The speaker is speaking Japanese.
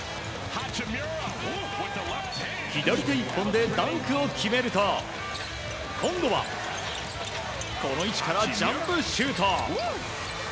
左手１本でダンクを決めると今度は、この位置からジャンプシュート！